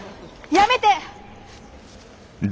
やめて！